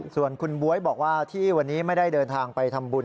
ส่วนคุณบ๊วยบอกว่าที่วันนี้ไม่ได้เดินทางไปทำบุญ